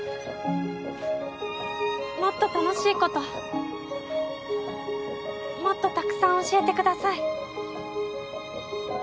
もっと楽しいこともっとたくさん教えてください。